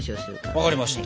分かりました。